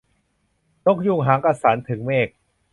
นกยูงหางกระสัน ถึงเมฆ